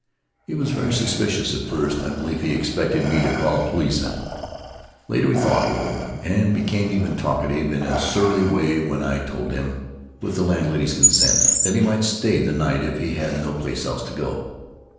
He was very suspicious at first. I believe he expected me to call a policeman. Later he thawed a little, and became even talkative in a surly way when I told him, with the landlady's consent, that he might stay the night if he had no place else to go.